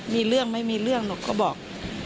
มีเรื่องไม่มีเรื่องหรอกก็บอก